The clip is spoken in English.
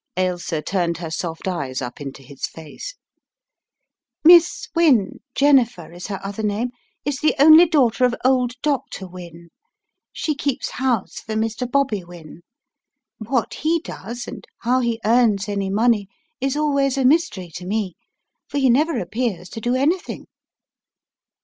Ailsa turned her soft eyes up into his face. "Miss Wynne, Jennifer is her other name, is the only daughter of old Dr. Wynne. She keeps house for Mr. Bobby Wynne. What he does and how he earns any money is always a mystery to me. For he never appears to do anything."